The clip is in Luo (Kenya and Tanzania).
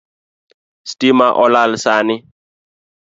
Stima olal sani